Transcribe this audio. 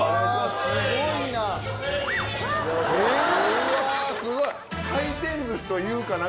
うわーすごい！